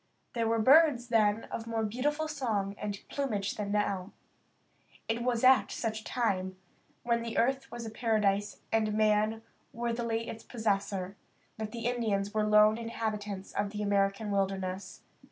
There were birds then of more beautiful song and plumage than now. It was at such a time, when earth was a paradise and man worthily its possessor, that the Indians were lone inhabitants of the American wilderness.